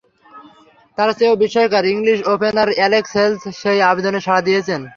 তার চেয়েও বিস্ময়কর, ইংলিশ ওপেনার অ্যালেক্স হেলস সেই আবেদনে সাড়া দিয়েছেন।